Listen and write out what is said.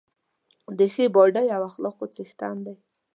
د ښې باډۍ او اخلاقو څښتن دی.